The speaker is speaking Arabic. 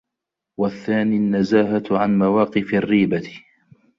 وَالثَّانِي النَّزَاهَةُ عَنْ مَوَاقِفِ الرِّيبَةِ